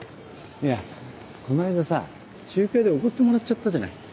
いやこの間さ中華屋でおごってもらっちゃったじゃない。